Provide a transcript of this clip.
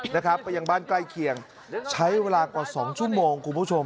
ไปถึงบ้านใกล้เขียงใช้เวลากว่า๒ชั่วโมง